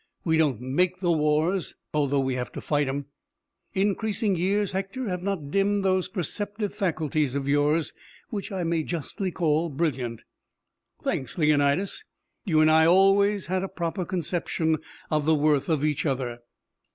We don't make the wars although we have to fight 'em." "Increasing years, Hector, have not dimmed those perceptive faculties of yours, which I may justly call brilliant." "Thanks, Leonidas, you and I have always had a proper conception of the worth of each other."